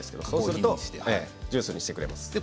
そうするとジュースにしてくれます。